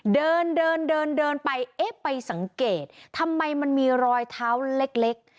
เดินเดินเดินเดินไปเอ๊ะไปสังเกตทำไมมันมีรอยเท้าเล็ก